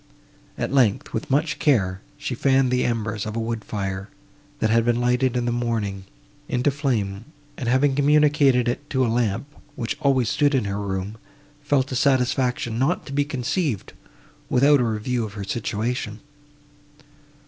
At length, with much care, she fanned the embers of a wood fire, that had been lighted in the morning, into flame, and, having communicated it to a lamp, which always stood in her room, felt a satisfaction not to be conceived, without a review of her situation.